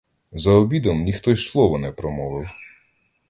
За обідом ніхто й слова не промовив.